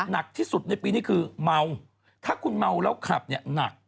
หนักที่สุดในปีนี้คือเมาถ้าคุณเมาแล้วขับเนี่ยหนัก